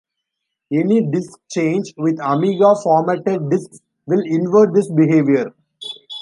Any disk change with Amiga formatted disks will invert this behaviour.